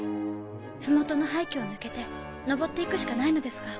ふもとの廃虚を抜けて上って行くしかないのですが。